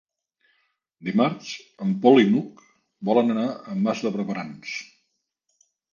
Dimarts en Pol i n'Hug volen anar a Mas de Barberans.